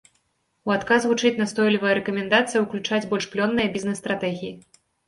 У адказ гучыць настойлівая рэкамендацыя ўключаць больш плённыя бізнес-стратэгіі.